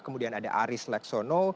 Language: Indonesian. kemudian ada aris leksono